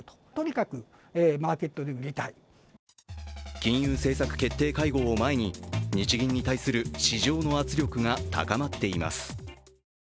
金融政策決定会合を前に日銀に対する市場の圧力が高まっています。